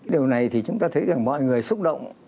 điều này thì chúng ta thấy rằng mọi người xúc động